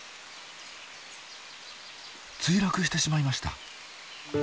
墜落してしまいました。